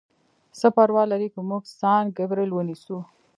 څه پروا لري که موږ سان ګبریل ونیسو؟